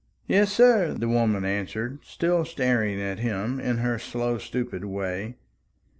"Yes, sir," the woman answered, still staring at him in her slow stupid way.